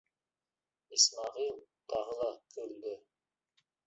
Исмәғил тағы ла көлдө.